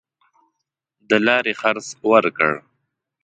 د لاري خرڅ ورکړ.